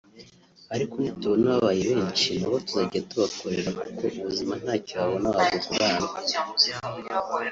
ariko nitubona babaye benshi nabo tuzajya tubakorera kuko ubuzima ntacyo wabona wabugurana